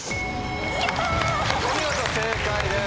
お見事正解です。